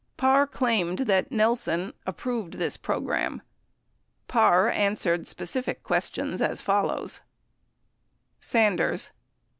Parr claimed that Nelson approved this pro gram. Parr answered specific questions as follows : Sanders.